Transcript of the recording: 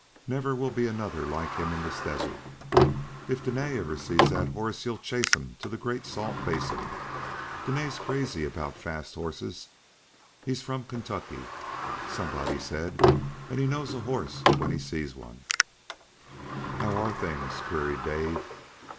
Never will be another like him in this desert. If Dene ever sees that horse he'll chase him to the Great Salt Basin. Dene's crazy about fast horses. He's from Kentucky, somebody said, and knows a horse when he sees one." "How are things?" queried Dave.